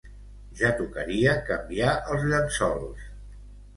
Ja tocaria canviar els llençols